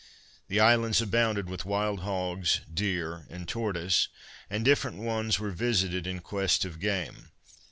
The islands abounded with wild hogs, deer and tortoise; and different ones were visited in quest of game.